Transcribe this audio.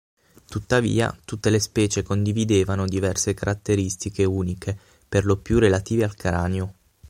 Tuttavia tutte le specie condividevano diverse caratteristiche uniche, perlopiù relative al cranio.